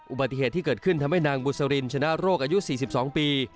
อุบัติเหตุที่เกิดขึ้นทำให้นางบุษรินชนะโรคอายุ๔๒ปี